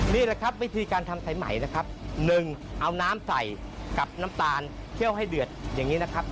นี่แหละครับวิธีการทำสายใหม่นะครับ๑เอาน้ำใส่กับน้ำตาลเคี่ยวให้เดือดอย่างนี้นะครับ